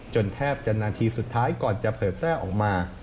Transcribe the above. แทบจะนาทีสุดท้ายก่อนจะเผยแพร่ออกมา